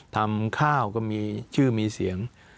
ทำข้าวก็มีชื่อมีเสียง